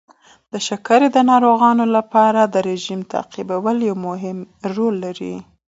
د شکر ناروغان باید رژیم تعقیبول مهم دی.